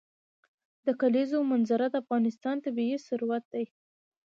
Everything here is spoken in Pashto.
د کلیزو منظره د افغانستان طبعي ثروت دی.